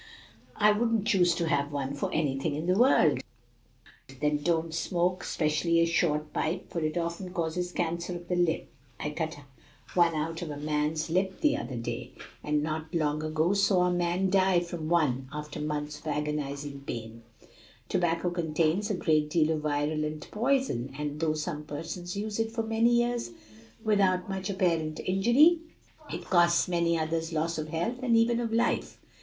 I wouldn't choose to have one for anything in the world." "Then don't smoke, especially a short pipe, for it often causes cancer of the lip. I cut one out of a man's lip the other day; and not long ago saw a man die from one after months of agonizing pain. Tobacco contains a great deal of virulent poison, and though some persons use it for many years without much apparent injury, it costs many others loss of health and even of life.